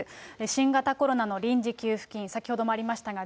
新型コロナの臨時給付金、先ほどもありましたが、